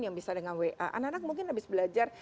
yang bisa dengan wa anak anak mungkin habis belajar